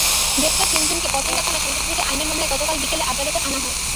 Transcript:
গ্রেপ্তার তিনজনকে পতেঙ্গা থানার সন্ত্রাসবিরোধী আইনের মামলায় গতকাল বিকেলে আদালতে আনা হয়।